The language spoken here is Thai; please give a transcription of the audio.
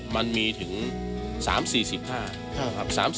มันมีถึง๓๔๕ครับ